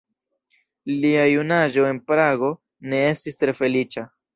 Lia junaĝo en Prago ne estis tre feliĉa.